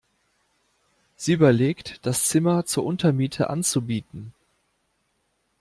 Sie überlegt, das Zimmer zur Untermiete anzubieten.